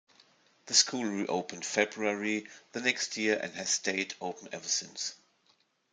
The school reopened February the next year and has stayed open ever since.